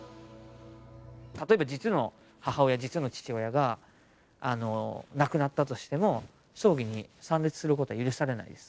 例えば実の母親実の父親が亡くなったとしても葬儀に参列することは許されないです。